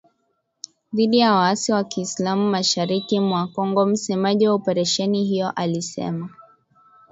Dhidi ya waasi wa kiislam mashariki mwa Kongo msemaji wa operesheni hiyo alisema